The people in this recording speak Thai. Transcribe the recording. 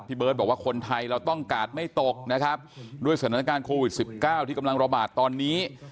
เบิร์ตบอกว่าคนไทยเราต้องการไม่ตกนะครับด้วยสถานการณ์โควิดสิบเก้าที่กำลังระบาดตอนนี้